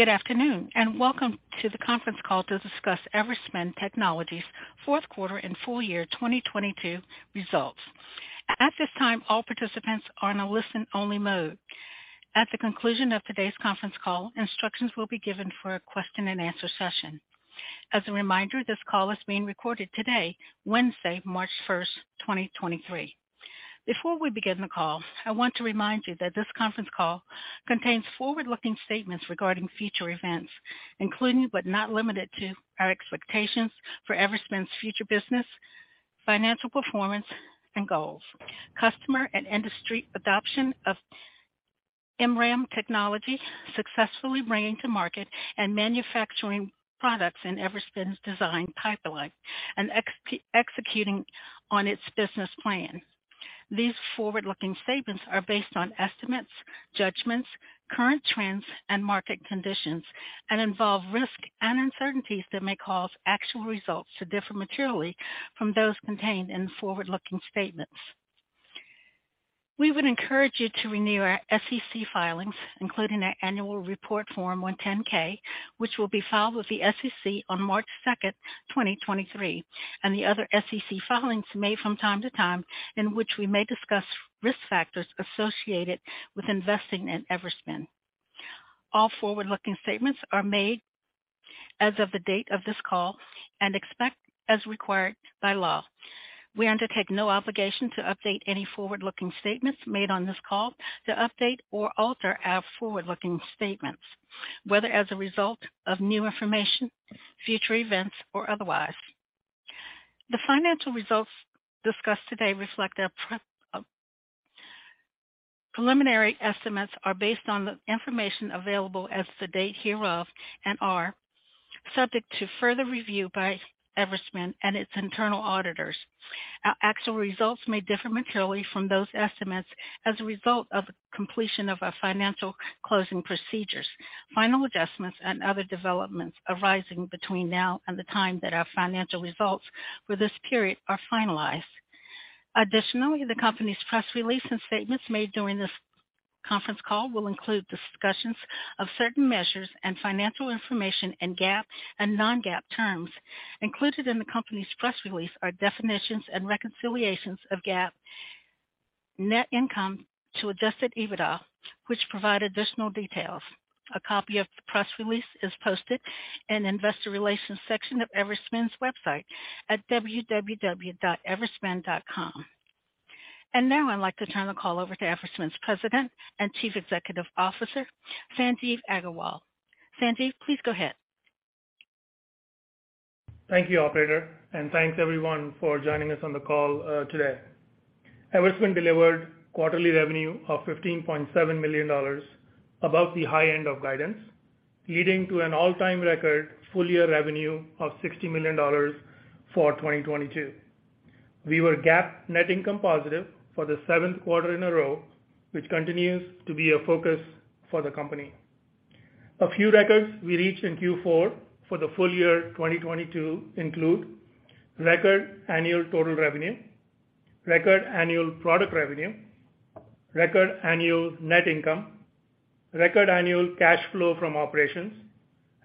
Good afternoon, welcome to the conference call to discuss Everspin Technologies fourth quarter and full year 2022 results. At this time, all participants are in a listen-only mode. At the conclusion of today's conference call, instructions will be given for a question-and-answer session. As a reminder, this call is being recorded today, Wednesday, March 1st, 2023. Before we begin the call, I want to remind you that this conference call contains forward-looking statements regarding future events, including but not limited to, our expectations for Everspin's future business, financial performance and goals, customer and industry adoption of MRAM technology, successfully bringing to market and manufacturing products in Everspin's design pipeline, and executing on its business plan. These forward-looking statements are based on estimates, judgments, current trends and market conditions, and involve risk and uncertainties that may cause actual results to differ materially from those contained in the forward-looking statements. We would encourage you to review our SEC filings, including our annual report, Form 10-K, which will be filed with the SEC on March 2nd, 2023, and the other SEC filings made from time-to-time, in which we may discuss risk factors associated with investing in Everspin. All forward-looking statements are made as of the date of this call and except as required by law. We undertake no obligation to update any forward-looking statements made on this call to update or alter our forward-looking statements, whether as a result of new information, future events or otherwise. The financial results discussed today reflect our. Preliminary estimates are based on the information available as of the date hereof and are subject to further review by Everspin and its internal auditors. Our actual results may differ materially from those estimates as a result of the completion of our financial closing procedures, final adjustments and other developments arising between now and the time that our financial results for this period are finalized. Additionally, the company's press release and statements made during this conference call will include discussions of certain measures and financial information in GAAP and non-GAAP terms. Included in the company's press release are definitions and reconciliations of GAAP net income to Adjusted EBITDA, which provide additional details. A copy of the press release is posted in Investor Relations section of Everspin's website at www.everspin.com. Now I'd like to turn the call over to Everspin's President and Chief Executive Officer, Sanjeev Aggarwal. Sanjeev, please go ahead. Thank you, operator. Thanks everyone for joining us on the call today. Everspin delivered quarterly revenue of $15.7 million above the high end of guidance, leading to an all-time record full year revenue of $60 million for 2022. We were GAAP net income positive for the seventh quarter in a row, which continues to be a focus for the company. A few records we reached in Q4 for the full year 2022 include record annual total revenue, record annual product revenue, record annual net income, record annual cash flow from operations,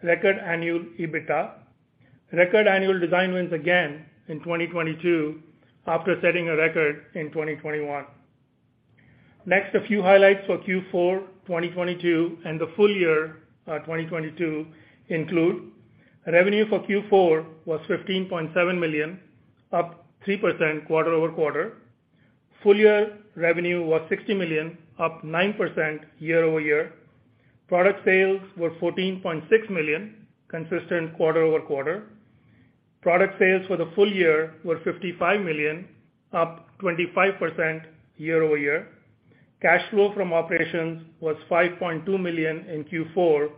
record annual EBITDA, record annual design wins again in 2022 after setting a record in 2021. Next, a few highlights for Q4 2022 and the full year 2022 include revenue for Q4 was $15.7 million, up 3% quarter-over-quarter. Full year revenue was $60 million, up 9% year-over-year. Product sales were $14.6 million, consistent quarter-over-quarter. Product sales for the full year were $55 million, up 25% year-over-year. Cash flow from operations was $5.2 million in Q4,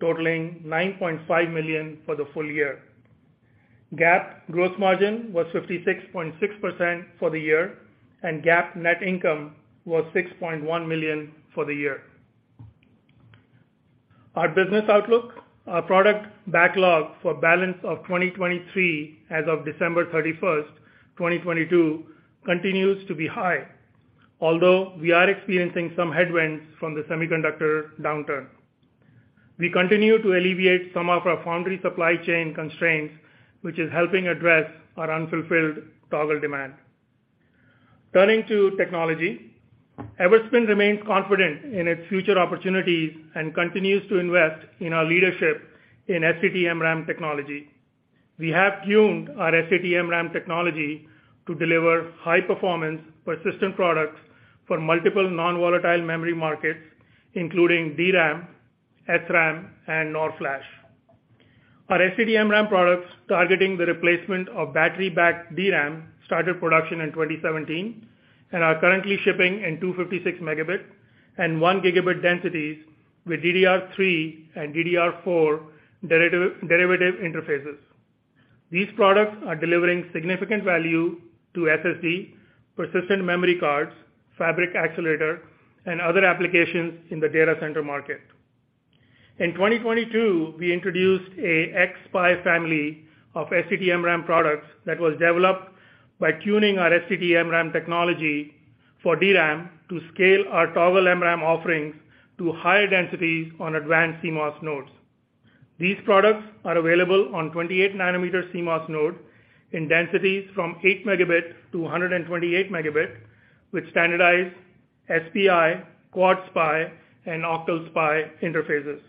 totaling $9.5 million for the full year. GAAP gross margin was 56.6% for the year, and GAAP net income was $6.1 million for the year. Our business outlook. Our product backlog for balance of 2023 as of December 31st, 2022, continues to be high. Although we are experiencing some headwinds from the semiconductor downturn. We continue to alleviate some of our foundry supply chain constraints, which is helping address our unfulfilled Toggle demand. Turning to technology, Everspin remains confident in its future opportunities and continues to invest in our leadership in STT-MRAM technology. We have tuned our STT-MRAM technology to deliver high performance persistent products for multiple non-volatile memory markets, including DRAM, SRAM and NOR flash. Our STT-MRAM products, targeting the replacement of battery-backed DRAM, started production in 2017 and are currently shipping in 256 Mb and 1 Gb densities with DDR3 and DDR4 derivative interfaces. These products are delivering significant value to SSD, persistent memory cards, fabric accelerator, and other applications in the data center market. In 2022, we introduced a xSPI family of STT-MRAM products that was developed by tuning our STT-MRAM technology for DRAM to scale our Toggle MRAM offerings to higher densities on advanced CMOS nodes. These products are available on 28 nanometer CMOS node in densities from 8 Mb-128 Mb, with standardized SPI, Quad SPI, and Octal SPI interfaces.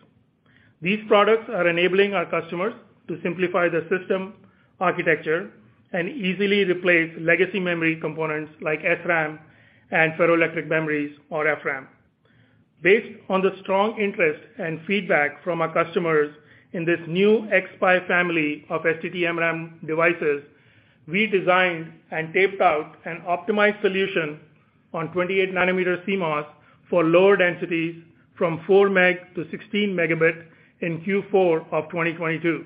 These products are enabling our customers to simplify their system architecture and easily replace legacy memory components like SRAM and ferroelectric memories or FRAM. Based on the strong interest and feedback from our customers in this new xSPI family of STT-MRAM devices, we designed and taped out an optimized solution on 28 nanometer CMOS for lower densities from 4 Mb-6 Mb in Q4 of 2022.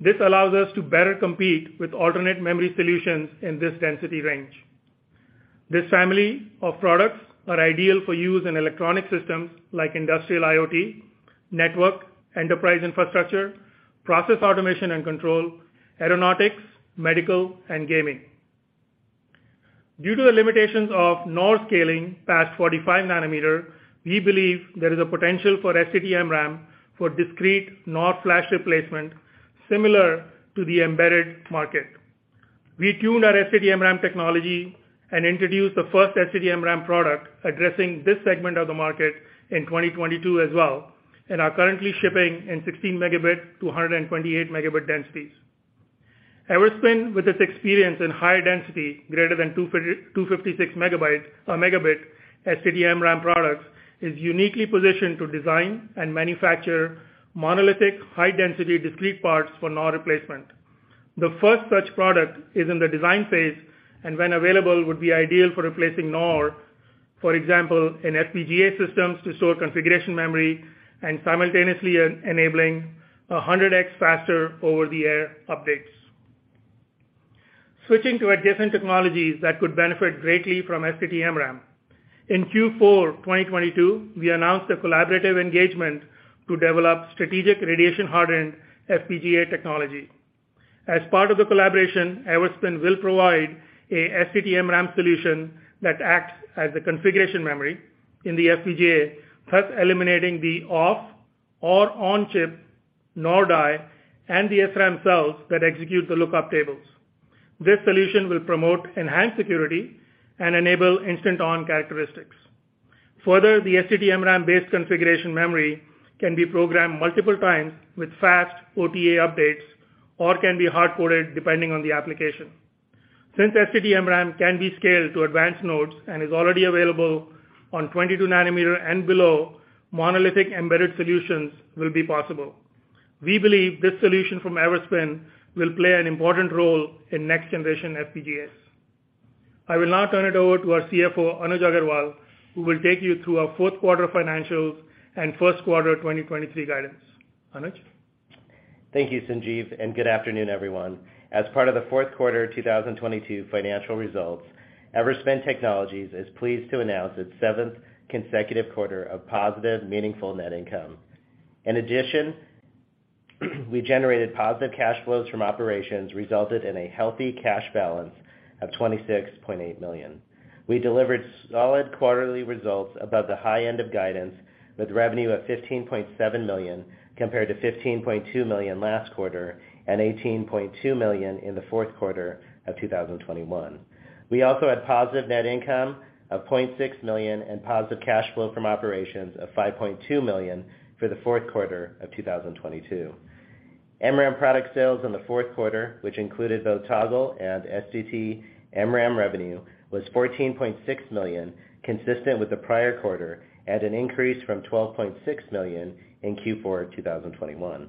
This allows us to better compete with alternate memory solutions in this density range. This family of products are ideal for use in electronic systems like industrial IoT, network, enterprise infrastructure, process automation and control, aeronautics, medical, and gaming. Due to the limitations of NOR scaling past 45 nanometer, we believe there is a potential for STT-MRAM for discrete NOR flash replacement similar to the embedded market. We tuned our STT-MRAM technology and introduced the first STT-MRAM product addressing this segment of the market in 2022 as well, and are currently shipping in 16 Mb-128 Mb densities. Everspin, with its experience in higher density greater than 256 Mb STT-MRAM products, is uniquely positioned to design and manufacture monolithic high-density discrete parts for NOR replacement. The first such product is in the design phase, and when available, would be ideal for replacing NOR, for example, in FPGA systems to store configuration memory and simultaneously enabling 100x faster over-the-air updates. Switching to a different technology that could benefit greatly from STT-MRAM. In Q4 2022, we announced a collaborative engagement to develop strategic Radiation-Hardened FPGA technology. As part of the collaboration, Everspin will provide a STT-MRAM solution that acts as the configuration memory in the FPGA, thus eliminating the off or on-chip NOR die and the SRAM cells that execute the lookup tables. The STT-MRAM-based configuration memory can be programmed multiple times with fast OTA updates or can be hard-coded depending on the application. STT-MRAM can be scaled to advanced nodes and is already available on 22 nanometer and below, monolithic embedded solutions will be possible. We believe this solution from Everspin will play an important role in next-generation FPGAs. I will now turn it over to our CFO, Anuj Aggarwal, who will take you through our fourth quarter financials and first quarter 2023 guidance. Anuj. Thank you, Sanjeev, and good afternoon, everyone. As part of the fourth quarter of 2022 financial results, Everspin Technologies is pleased to announce its seventh consecutive quarter of positive, meaningful net income. In addition, we generated positive cash flows from operations, resulted in a healthy cash balance of $26.8 million. We delivered solid quarterly results above the high end of guidance with revenue of $15.7 million compared to $15.2 million last quarter and $18.2 million in the fourth quarter of 2021. We also had positive net income of $0.6 million and positive cash flow from operations of $5.2 million for the fourth quarter of 2022. MRAM product sales in the fourth quarter, which included both Toggle and STT-MRAM revenue, was $14.6 million, consistent with the prior quarter at an increase from $12.6 million in Q4 of 2021.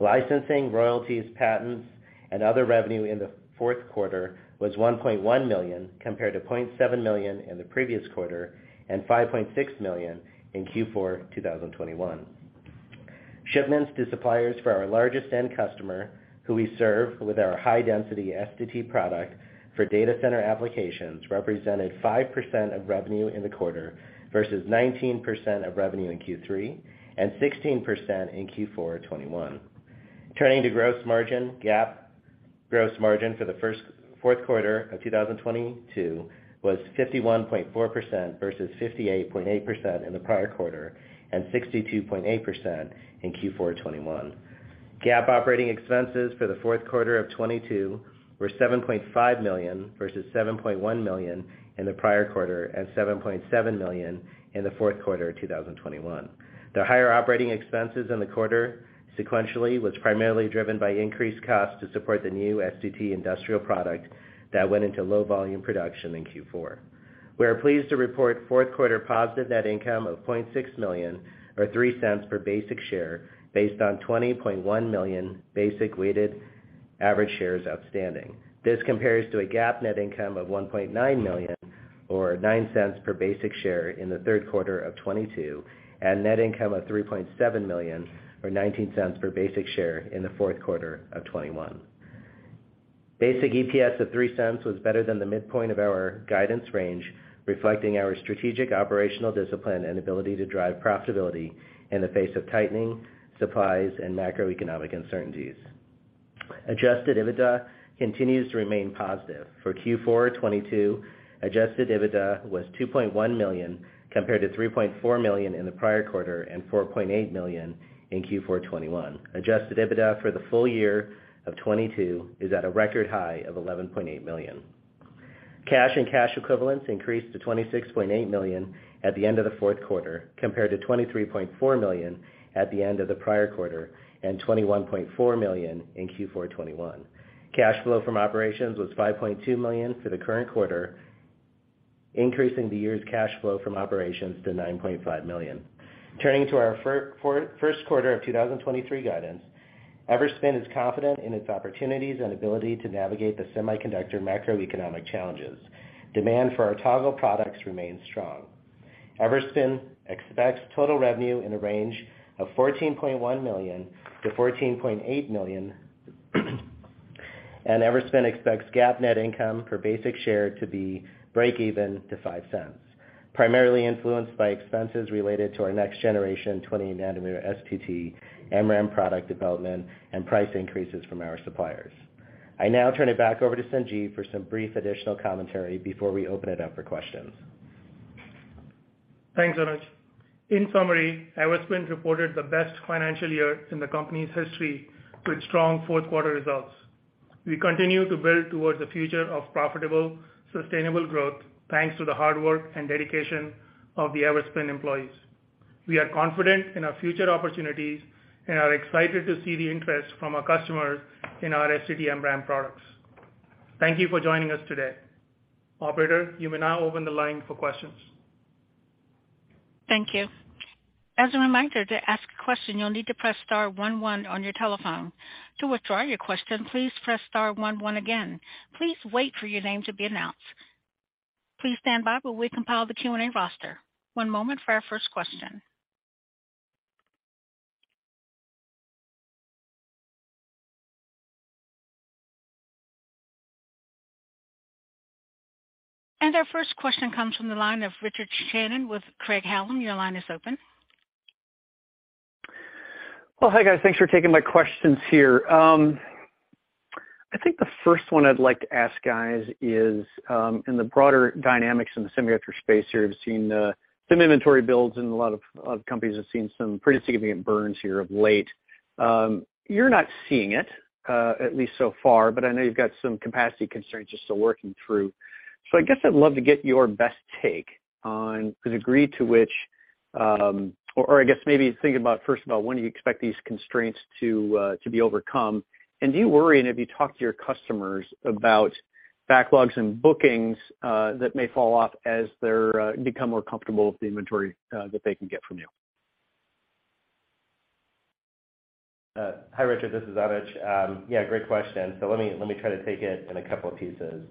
Licensing, royalties, patents, and other revenue in the fourth quarter was $1.1 million, compared to $0.7 million in the previous quarter and $5.6 million in Q4 of 2021. Shipments to suppliers for our largest end customer, who we serve with our high-density STT product for data center applications, represented 5% of revenue in the quarter versus 19% of revenue in Q3 and 16% in Q4 of 2021. Turning to gross margin, GAAP gross margin for the fourth quarter of 2022 was 51.4% versus 58.8% in the prior quarter and 62.8% in Q4 of 2021. GAAP operating expenses for the fourth quarter of 2022 were $7.5 million versus $7.1 million in the prior quarter and $7.7 million in the fourth quarter of 2021. The higher operating expenses in the quarter sequentially was primarily driven by increased costs to support the new STT industrial product that went into low volume production in Q4. We are pleased to report fourth quarter positive net income of $0.6 million or $0.03 per basic share based on 20.1 million basic weighted-average shares outstanding. This compares to a GAAP net income of $1.9 million or $0.09 per basic share in the third quarter of 2022, and net income of $3.7 million or $0.19 per basic share in the fourth quarter of 2021. Basic EPS of $0.03 was better than the midpoint of our guidance range, reflecting our strategic operational discipline and ability to drive profitability in the face of tightening supplies and macroeconomic uncertainties. Adjusted EBITDA continues to remain positive. For Q4 2022, Adjusted EBITDA was $2.1 million compared to $3.4 million in the prior quarter and $4.8 million in Q4 2022. Adjusted EBITDA for the full year of 2022 is at a record high of $11.8 million. Cash and cash equivalents increased to $26.8 million at the end of the fourth quarter compared to $23.4 million at the end of the prior quarter and $21.4 million in Q4 2021. Cash flow from operations was $5.2 million for the current quarter, increasing the year's cash flow from operations to $9.5 million. Turning to our first quarter of 2023 guidance, Everspin is confident in its opportunities and ability to navigate the semiconductor macroeconomic challenges. Demand for our Toggle products remains strong. Everspin expects total revenue in a range of $14.1 million-$14.8 million, Everspin expects GAAP net income per basic share to be breakeven to $0.05, primarily influenced by expenses related to our next generation 20 nanometer STT-MRAM product development and price increases from our suppliers. I now turn it back over to Sanjeev for some brief additional commentary before we open it up for questions. Thanks, Anuj. In summary, Everspin reported the best financial year in the company's history with strong fourth quarter results. We continue to build towards the future of profitable, sustainable growth thanks to the hard work and dedication of the Everspin employees. We are confident in our future opportunities and are excited to see the interest from our customers in our STT-MRAM products. Thank you for joining us today. Operator, you may now open the line for questions. Thank you. As a reminder, to ask a question, you'll need to press star one one on your telephone. To withdraw your question, please press star one one again. Please wait for your name to be announced. Please stand by while we compile the Q&A roster. One moment for our first question. Our first question comes from the line of Richard Shannon with Craig-Hallum. Your line is open. Well, hi, guys. Thanks for taking my questions here. I think the first one I'd like to ask guys is, in the broader dynamics in the semiconductor space here, we've seen, some inventory builds, and a lot of companies have seen some pretty significant burns here of late. You're not seeing it, at least so far, but I know you've got some capacity constraints you're still working through. I guess I'd love to get your best take on the degree to which, or I guess maybe think about first about when you expect these constraints to be overcome. Do you worry, and have you talked to your customers about backlogs and bookings, that may fall off as they're, become more comfortable with the inventory, that they can get from you? Hi, Richard. This is Anuj. Yeah, great question. Let me, let me try to take it in a couple of pieces.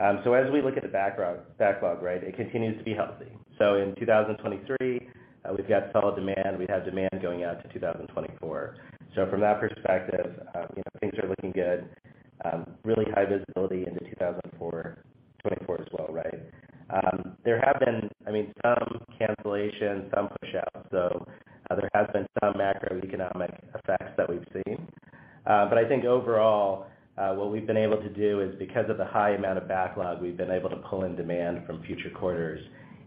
As we look at the backlog, right, it continues to be healthy. In 2023, we've got solid demand. We have demand going out to 2024. From that perspective, you know, things are looking good. Really high visibility into 2024 as well, right? There have been, I mean, some cancellations, some pushouts, so there has been some macroeconomic effects that we've seen. But I think overall, what we've been able to do is because of the high amount of backlog, we've been able to pull in demand from future quarters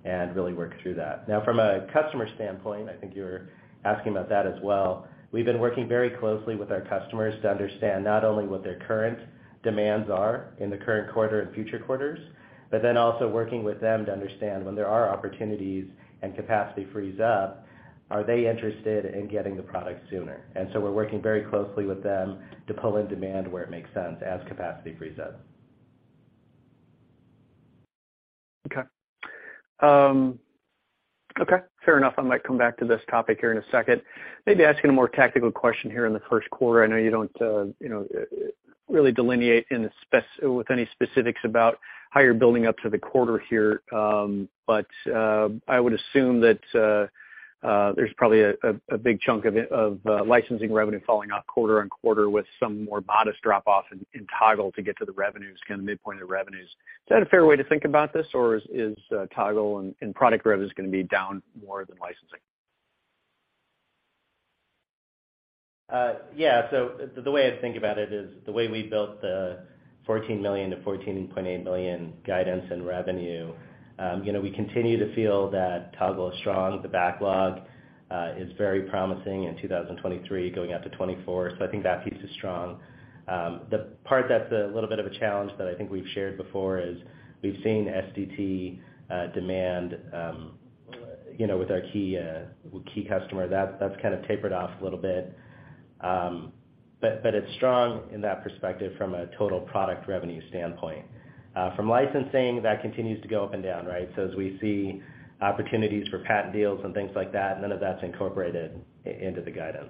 and really work through that. Now from a customer standpoint, I think you were asking about that as well. We've been working very closely with our customers to understand not only what their current demands are in the current quarter and future quarters, but then also working with them to understand when there are opportunities and capacity frees up, are they interested in getting the product sooner? We're working very closely with them to pull in demand where it makes sense as capacity frees up. Okay. Okay, fair enough. I might come back to this topic here in a second. Maybe asking a more tactical question here in the first quarter. I know you don't, you know, really delineate with any specifics about how you're building up to the quarter here. I would assume that there's probably a big chunk of it, of licensing revenue falling off quarter-on-quarter with some more modest drop off in Toggle to get to the revenues, kinda midpoint of the revenues. Is that a fair way to think about this, or is Toggle and product revenues gonna be down more than licensing? Yeah. The, the way I think about it is the way we built the $14 million-$14.8 million guidance in revenue, you know, we continue to feel that Toggle is strong. The backlog is very promising in 2023 going out to 2024, I think that piece is strong. The part that's a little bit of a challenge that I think we've shared before is we've seen STT demand, you know, with our key key customer, that's kind of tapered off a little bit. But it's strong in that perspective from a total product revenue standpoint. From licensing, that continues to go up and down, right? As we see opportunities for patent deals and things like that, none of that's incorporated into the guidance.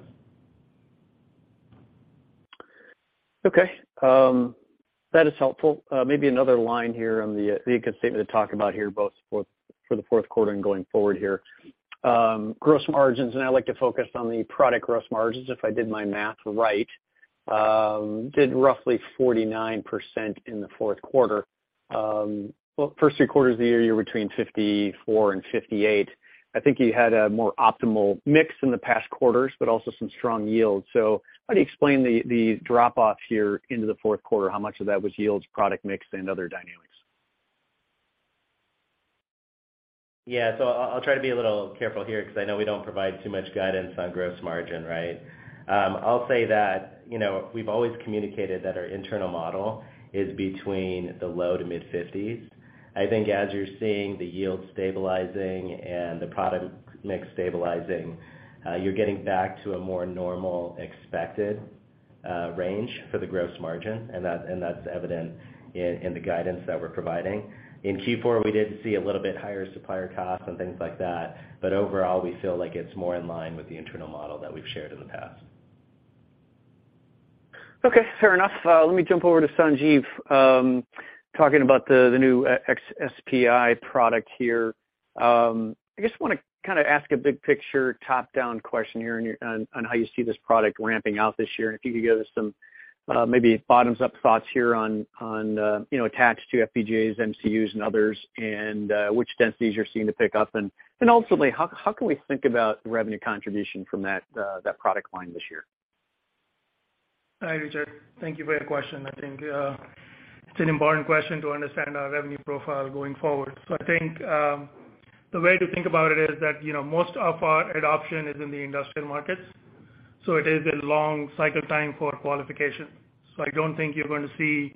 Okay. That is helpful. Maybe another line here on the income statement to talk about here, both for the fourth quarter and going forward here. Gross margins, and I like to focus on the product gross margins, if I did my math right, did roughly 49% in the fourth quarter. Well, first three quarters of the year, you're between 54% and 58%. I think you had a more optimal mix in the past quarters, but also some strong yields. How do you explain the drop-offs here into the fourth quarter? How much of that was yields, product mix, and other dynamics? Yeah. I'll try to be a little careful here 'cause I know we don't provide too much guidance on gross margin, right? I'll say that, you know, we've always communicated that our internal model is between the low to mid fifties. I think as you're seeing the yield stabilizing and the product mix stabilizing, you're getting back to a more normal expected, range for the gross margin, and that's evident in the guidance that we're providing. In Q4, we did see a little bit higher supplier costs and things like that, but overall, we feel like it's more in line with the internal model that we've shared in the past. Okay, fair enough. let me jump over to Sanjeev. talking about the new xSPI product here. I just wanna kind of ask a big picture, top-down question here on how you see this product ramping out this year, and if you could give us some maybe bottoms-up thoughts here on, you know, attached to FPGAs, MCUs, and others, and which densities you're seeing to pick up. And ultimately, how can we think about the revenue contribution from that product line this year? Hi, Richard. Thank you for your question. I think it's an important question to understand our revenue profile going forward. I think the way to think about it is that, you know, most of our adoption is in the industrial markets, so it is a long cycle time for qualification. I don't think you're going to see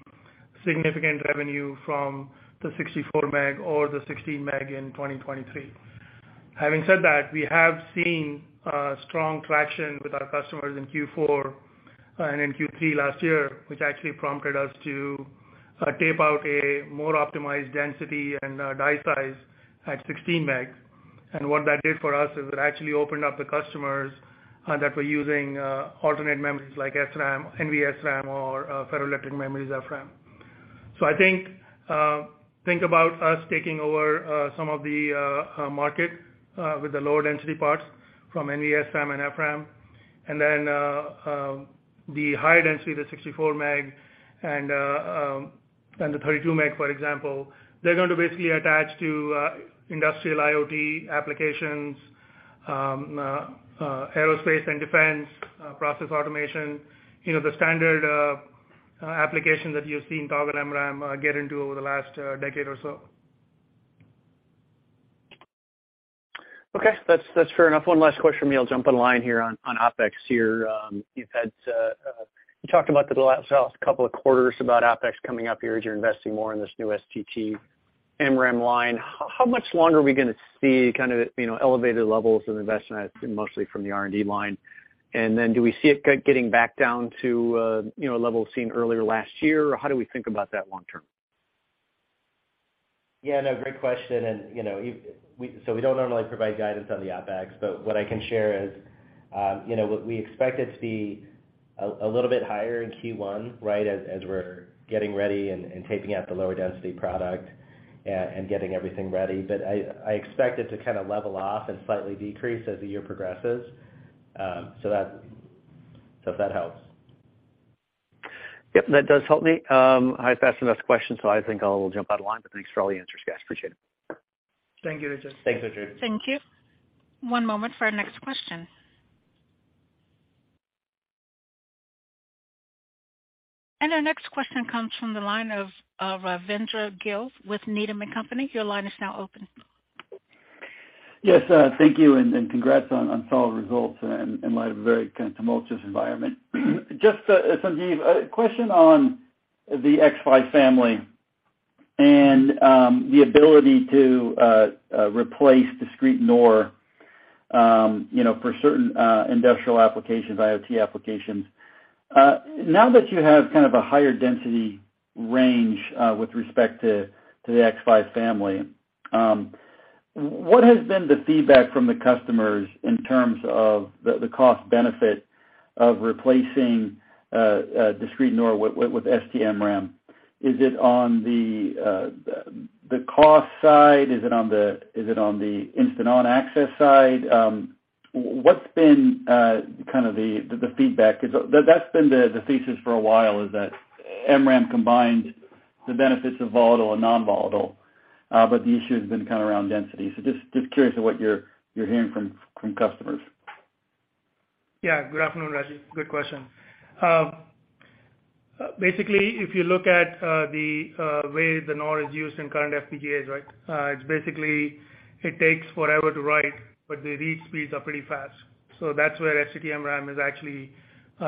significant revenue from the 64 Mb or the 16 Mb in 2023. Having said that, we have seen strong traction with our customers in Q4 and in Q3 last year, which actually prompted us to tape out a more optimized density and die size at 16 Mb. What that did for us is it actually opened up the customers that were using alternate memories like SRAM, nvSRAM, or ferroelectric memories, FRAM. I think about us taking over some of the market with the lower density parts from nvSRAM and FRAM. The high density, the 64 Mb and the 32 Mb, for example, they're going to basically attach to industrial IoT applications, aerospace and defense, process automation, you know, the standard application that you've seen Toggle MRAM get into over the last decade or so. Okay. That's fair enough. One last question for me. I'll jump on the line here on OpEx here. You've had, you talked about the last couple of quarters about OpEx coming up here as you're investing more in this new STT-MRAM line. How much longer are we gonna see kind of, you know, elevated levels of investment, mostly from the R&D line? Do we see it getting back down to, you know, levels seen earlier last year? How do we think about that long term? Yeah, no, great question. You know, so we don't normally provide guidance on the OpEx, but what I can share is, you know, what we expect it to be a little bit higher in Q1, right. As we're getting ready and taping out the lower density product and getting everything ready. I expect it to kind of level off and slightly decrease as the year progresses, so that. If that helps. Yep, that does help me. I've asked enough questions, so I think I'll jump out of line, but thanks for all the answers, guys. Appreciate it. Thank you, Richard. Thanks, Richard. Thank you. One moment for our next question. Our next question comes from the line of Rajvindra Gill with Needham & Company. Your line is now open. Thank you, and congrats on solid results in light of a very kind of tumultuous environment. Just, Sanjeev, a question on the xSPI family and the ability to replace discrete NOR, you know, for certain industrial applications, IoT applications. Now that you have kind of a higher density range with respect to the xSPI family, what has been the feedback from the customers in terms of the cost benefit of replacing discrete NOR with STT-MRAM? Is it on the cost side? Is it on the instant-on access side? What's been kind of the feedback? That's been the thesis for a while, is that MRAM combined the benefits of volatile and non-volatile, but the issue has been kind of around density. Just curious of what you're hearing from customers. Yeah. Good afternoon, Rajvi. Good question. basically, if you look at, the way the NOR is used in current FPGAs, right? it's basically it takes forever to write, but the read speeds are pretty fast. That's where STT-MRAM is actually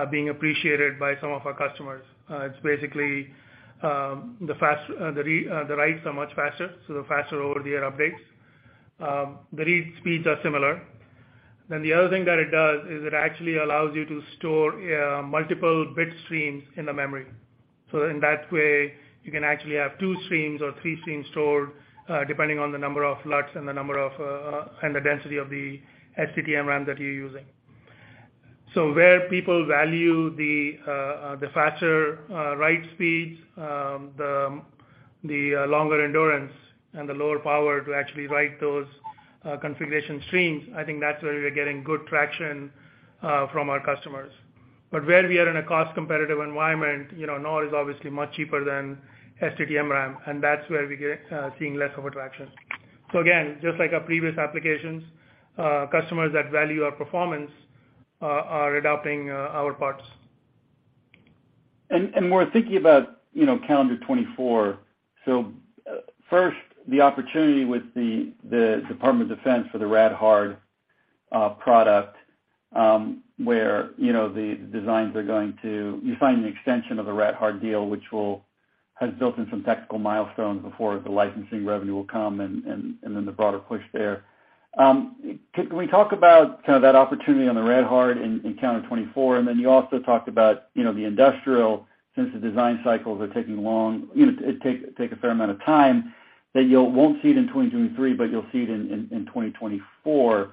being appreciated by some of our customers. it's basically, the fast, the writes are much faster, so the faster over-the-air updates. The read speeds are similar. The other thing that it does is it actually allows you to store, multiple bit streams in the memory. In that way, you can actually have two streams or three streams stored, depending on the number of LUTs and the number of, and the density of the STT-MRAM that you're using. Where people value the faster write speeds, the longer endurance and the lower power to actually write those configuration streams, I think that's where we're getting good traction from our customers. But where we are in a cost competitive environment, you know, NOR is obviously much cheaper than STT-MRAM, and that's where we get seeing less of attraction. Again, just like our previous applications, customers that value our performance are adopting our parts. More thinking about, you know, calendar 2024. First, the opportunity with the Department of Defense for the RadHard product, where, you know, you sign the extension of the RadHard deal, which will has built in some technical milestones before the licensing revenue will come and then the broader push there. Can we talk about kind of that opportunity on the RadHard in calendar 2024? You also talked about, you know, the industrial, since the design cycles are taking long, you know, it take a fair amount of time that you'll won't see it in 2023, but you'll see it in 2024.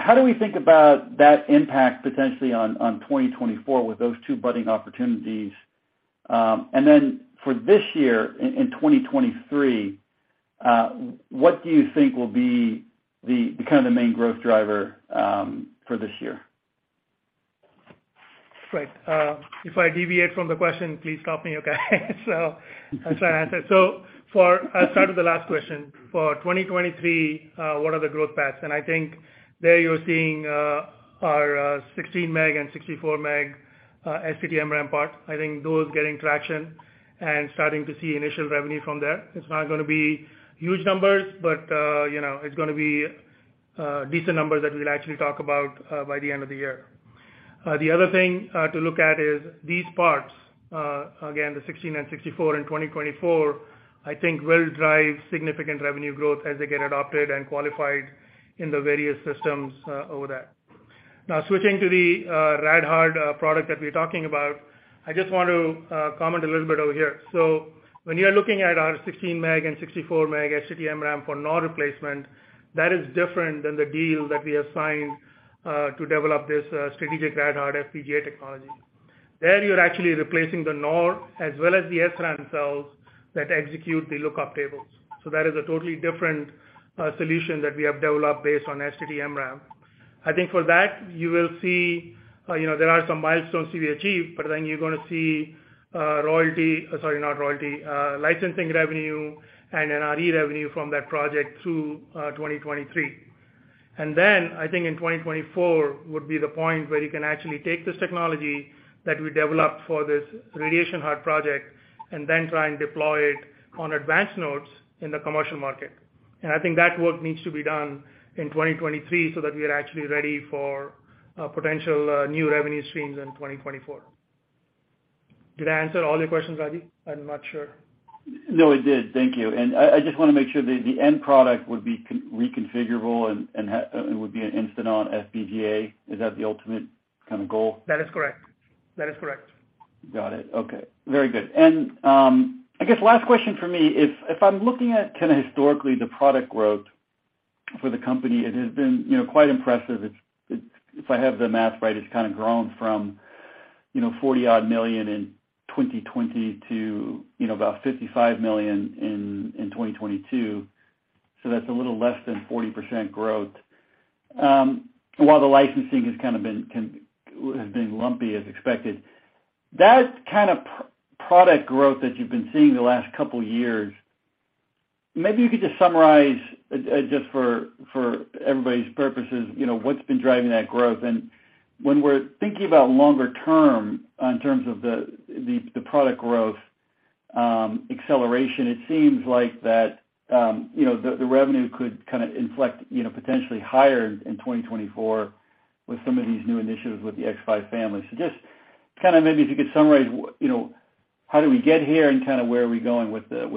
How do we think about that impact potentially on 2024 with those two budding opportunities? For this year in 2023, what do you think will be the kind of the main growth driver for this year? Right. If I deviate from the question, please stop me, okay? As I answer. I'll start with the last question. For 2023, what are the growth paths? I think there you're seeing our 16 Mb and 64 Mb STT-MRAM part. I think those getting traction and starting to see initial revenue from there. It's not gonna be huge numbers, but, you know, it's gonna be decent numbers that we'll actually talk about by the end of the year. The other thing to look at is these parts, again, the 16 Mb and 64 Mb in 2024, I think will drive significant revenue growth as they get adopted and qualified in the various systems over there. Now, switching to the RadHard product that we're talking about, I just want to comment a little bit over here. When you're looking at our 16 Mb and 64 Mb STT-MRAM for NOR replacement, that is different than the deal that we have signed to develop this strategic RadHard FPGA technology. There, you're actually replacing the NOR as well as the SRAM cells that execute the lookup tables. That is a totally different solution that we have developed based on STT-MRAM. I think for that, you will see, you know, there are some milestones to be achieved, but then you're gonna see royalty, sorry, not royalty, licensing revenue and NRE revenue from that project through 2023. Then I think in 2024 would be the point where you can actually take this technology that we developed for this Radiation-Hard project and then try and deploy it on advanced nodes in the commercial market. I think that work needs to be done in 2023 so that we are actually ready for potential new revenue streams in 2024. Did I answer all your questions, Rajvi? I'm not sure. No, it did. Thank you. I just wanna make sure the end product would be reconfigurable and would be an instant-on FPGA. Is that the ultimate kind of goal? That is correct. That is correct. Got it. Okay. Very good. I guess last question for me is, if I'm looking at kind of historically the product growth for the company, it has been, you know, quite impressive. It's if I have the math right, it's kind of grown from, you know, $40 odd million in 2020 to, you know, about $55 million in 2022. That's a little less than 40% growth. While the licensing has been lumpy as expected. That kind of product growth that you've been seeing the last couple years, maybe you could just summarize, just for everybody's purposes, you know, what's been driving that growth. When we're thinking about longer term in terms of the product growth, acceleration, it seems like that, you know, the revenue could kinda inflect, you know, potentially higher in 2024 with some of these new initiatives with the xSPI family. Just kinda maybe if you could summarize, you know, how do we get here and kinda where are we going with the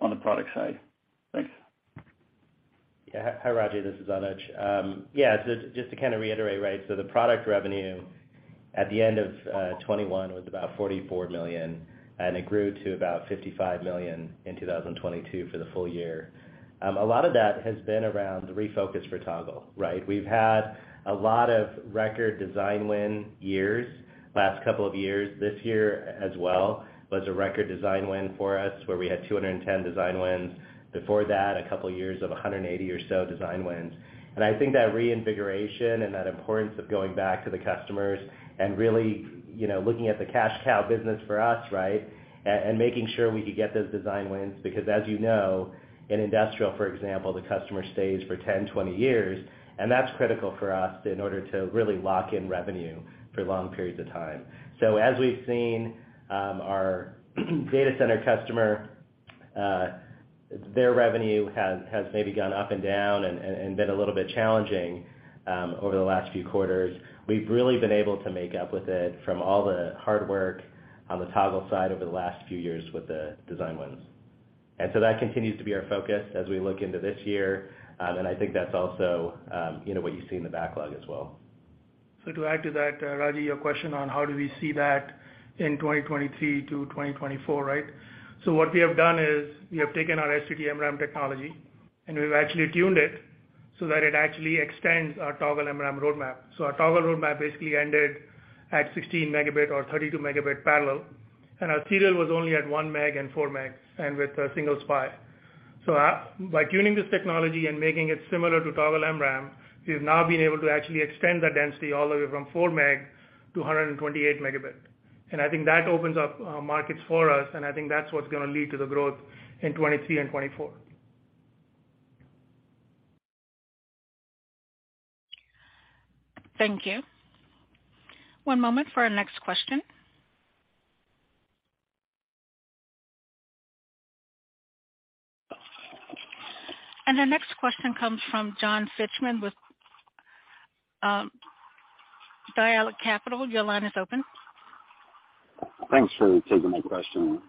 on the product side? Thanks. Hi, Rajvi, this is Anuj. Just to kinda reiterate, right? The product revenue at the end of 2021 was about $44 million, and it grew to about $55 million in 2022 for the full year. A lot of that has been around the refocus for Toggle, right? We've had a lot of record design win years, last couple of years. This year as well was a record design win for us, where we had 210 design wins. Before that, a couple of years of 180 or so design wins. I think that reinvigoration and that importance of going back to the customers and really, you know, looking at the cash cow business for us, right? Making sure we could get those design wins, because as you know, in industrial, for example, the customer stays for 10, 20 years, and that's critical for us in order to really lock in revenue for long periods of time. As we've seen, our data center customer, their revenue has maybe gone up and down and been a little bit challenging over the last few quarters. We've really been able to make up with it from all the hard work on the Toggle side over the last few years with the design wins. That continues to be our focus as we look into this year. I think that's also, you know, what you see in the backlog as well. To add to that, Rajvi, your question on how do we see that in 2023-2024, right? What we have done is we have taken our STT-MRAM technology, and we've actually tuned it so that it actually extends our Toggle MRAM roadmap. Our Toggle roadmap basically ended at 16 Mb or 32 Mb parallel, and our serial was only at 1 Mb and 4 Mb and with a single SPI. By tuning this technology and making it similar to Toggle MRAM, we've now been able to actually extend that density all the way from 4 Mb to a 128 Mb. I think that opens up markets for us, and I think that's what's gonna lead to the growth in 2023 and 2024. Thank you. One moment for our next question. Our next question comes from John Fichthorn with Dialectic Capital. Your line is open. Thanks for taking my question.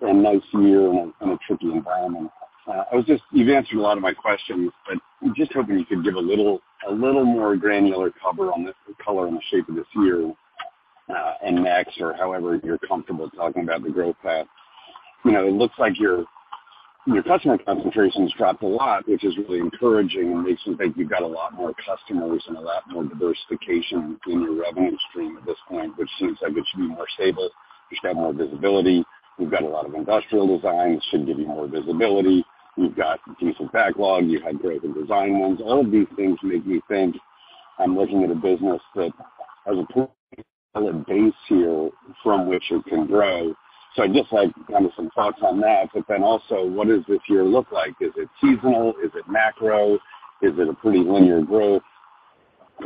Nice year in a tricky environment. You've answered a lot of my questions, but I'm just hoping you could give a little more granular cover on this, the color and the shape of this year, and next or however you're comfortable talking about the growth path. You know, it looks like your customer concentration has dropped a lot, which is really encouraging and makes me think you've got a lot more customers and a lot more diversification in your revenue stream at this point, which seems like it should be more stable. You should have more visibility. You've got a lot of industrial design, which should give you more visibility. You've got decent backlog. You had great design wins. All of these things make me think I'm looking at a business that has a pretty solid base here from which it can grow. I'd just like kinda some thoughts on that. Also, what does this year look like? Is it seasonal? Is it macro? Is it a pretty linear growth?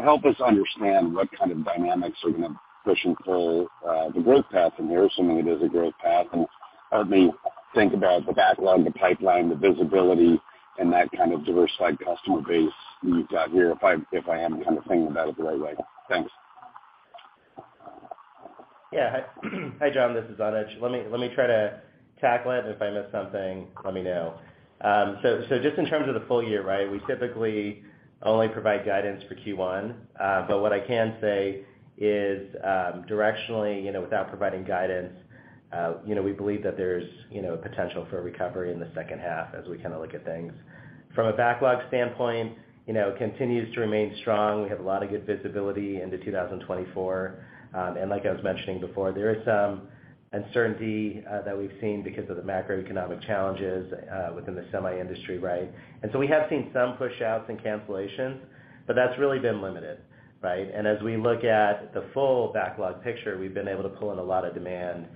Help us understand what kind of dynamics are gonna push and pull the growth path from here, assuming it is a growth path. Help me think about the backlog, the pipeline, the visibility, and that kind of diversified customer base you've got here, if I, if I am kind of thinking about it the right way. Thanks. Yeah. Hi, John, this is Anuj. Let me try to tackle it. If I miss something, let me know. Just in terms of the full year, right? We typically only provide guidance for Q1. What I can say is, directionally, you know, without providing guidance, you know, we believe that there's, you know, potential for a recovery in the second half as we kinda look at things. From a backlog standpoint, you know, it continues to remain strong. We have a lot of good visibility into 2024. Like I was mentioning before, there is some uncertainty that we've seen because of the macroeconomic challenges within the semi industry, right? We have seen some pushouts and cancellations, but that's really been limited, right? As we look at the full backlog picture, we've been able to pull in a lot of demand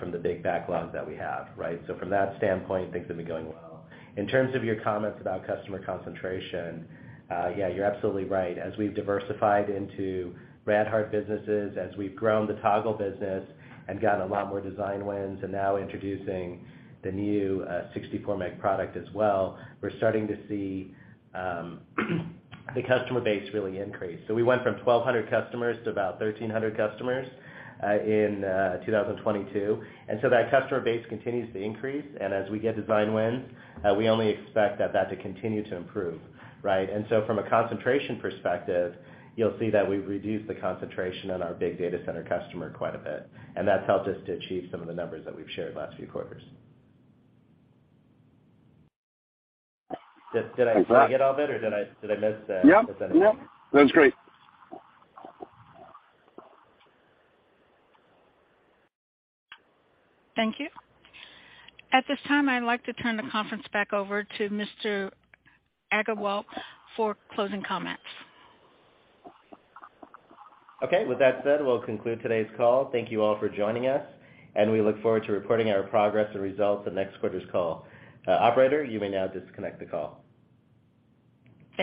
from the big backlogs that we have, right? From that standpoint, things have been going well. In terms of your comments about customer concentration, yeah, you're absolutely right. As we've diversified into RadHard businesses, as we've grown the Toggle business and gotten a lot more design wins and now introducing the new 64 Mb product as well, we're starting to see the customer base really increase. We went from 1,200 customers to about 1,300 customers in 2022. That customer base continues to increase. As we get design wins, we only expect that to continue to improve, right? From a concentration perspective, you'll see that we've reduced the concentration on our big data center customer quite a bit, and that's helped us to achieve some of the numbers that we've shared last few quarters. Thanks, Anuj. Did I get all that or did I miss a bit of it? Yeah. No, that's great. Thank you. At this time, I'd like to turn the conference back over to Mr. Aggarwal for closing comments. Okay. With that said, we'll conclude today's call. Thank you all for joining us, and we look forward to reporting our progress and results on next quarter's call. Operator, you may now disconnect the call.